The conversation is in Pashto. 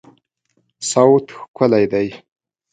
صوت ښکلی دی